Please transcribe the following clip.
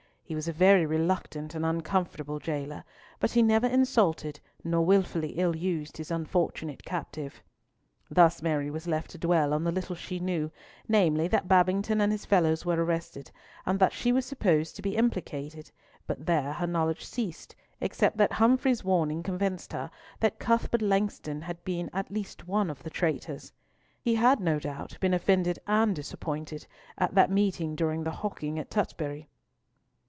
He was a very reluctant and uncomfortable jailer, but he never insulted, nor wilfully ill used his unfortunate captive. Thus Mary was left to dwell on the little she knew, namely, that Babington and his fellows were arrested, and that she was supposed to be implicated; but there her knowledge ceased, except that Humfrey's warning convinced her that Cuthbert Langston had been at least one of the traitors. He had no doubt been offended and disappointed at that meeting during the hawking at Tutbury.